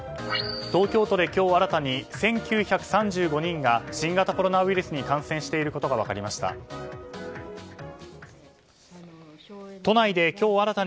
東京都で今日新たに１９３５人が新型コロナウイルスに感染していることが分かりました。